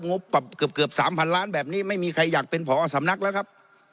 งบเกือบ๓๐๐๐ล้านแบบนี้ไม่มีใครอยากเป็นผอสำนักแล้วครับ